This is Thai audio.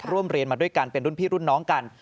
เรียนมาด้วยกันเป็นรุ่นพี่รุ่นน้องกัน